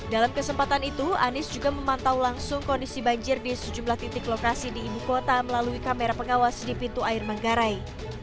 dalam kesempatan itu anies juga memantau langsung kondisi banjir di sejumlah titik lokasi di ibu kota melalui kamera pengawas di pintu air manggarai